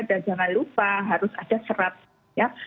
dan jangan lupa harus ada serat ya